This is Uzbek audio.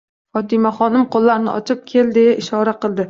Fotimaxonim qo'llarini ochib, «kel» deya ishora etdi.